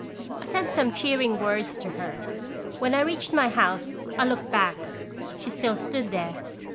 I said some cheering words to her. When I reached my house I looked back; she still stood there.